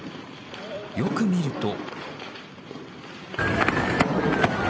よく見ると。